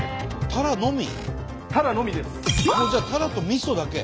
タラとみそだけ？